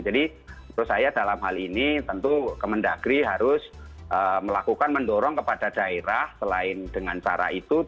jadi menurut saya dalam hal ini tentu kemendagri harus melakukan mendorong kepada daerah selain dengan cara itu